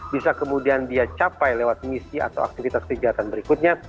bisa kemudian dia capai lewat misi atau aktivitas kegiatan berikutnya